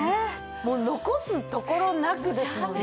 もう残すところなくですもんね。